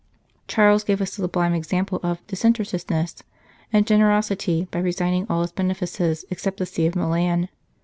Charles gave a sublime example of disinterested ness and generosity by resigning all his benefices except the See of Milan.